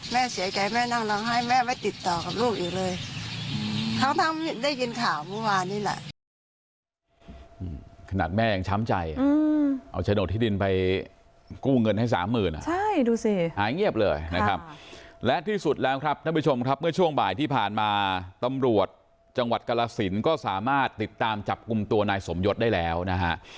แม่เสียใจแม่นั่งร้องไห้แม่ไม่ติดต่อกับลูกอีกเลย